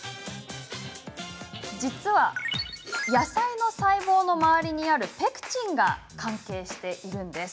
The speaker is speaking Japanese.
実は野菜の細胞の周りにあるペクチンが関係しています。